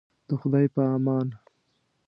د خدای په امان.